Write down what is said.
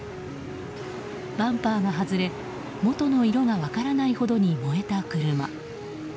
バンパーが外れ、元の色が分からないほどに燃えた車。